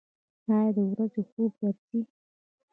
ایا د ورځې خوب درځي؟